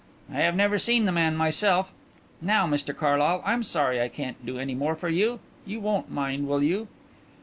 "I have never seen the man myself. Now, Mr Carlyle, I'm sorry I can't do any more for you. You won't mind, will you?"